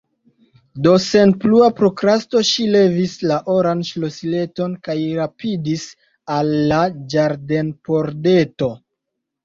Do, sen plua prokrasto ŝi levis la oran ŝlosileton kaj rapidis al la ĝardenpordeto.